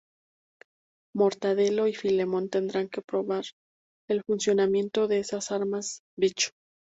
Mortadelo y Filemón tendrán que probar el funcionamiento de esas armas-bicho.